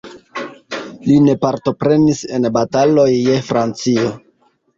Li ne partoprenis en bataloj je Francio.